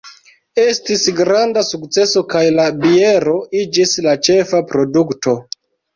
Estis granda sukceso kaj la biero iĝis la ĉefa produkto.